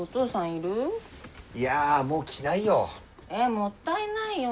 いやもうきないよ。